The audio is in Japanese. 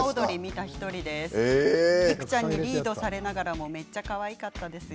いくちゃんにリードされながらもめっちゃかわいかったですよ。